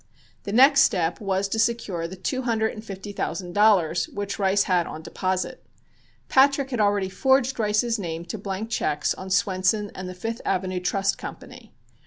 The next step was to secure the two hundred and fifty thousand dollars which Rice had on deposit. Patrick had already forged Rice's name to blank checks on Swenson and the Fifth Avenue Trust Company.